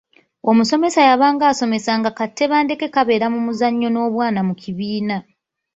Omusomesa yabanga asomesa nga ka Tebandeke kabeere mu muzannyo n’obwana mu kibiina.